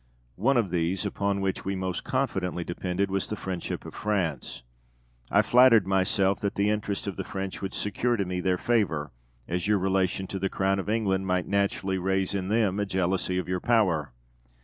One of these, upon which we most confidently depended, was the friendship of France. I flattered myself that the interest of the French would secure to me their favour, as your relation to the Crown of England might naturally raise in them a jealousy of your power.